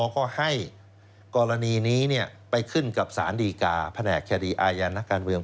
ก็ให้กรณีนี้ไปขึ้นกับสารดีกาแผนกคดีอาญานักการเมือง